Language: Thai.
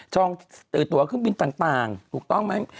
ตัวเครื่องบินต่างถูกต้องไหม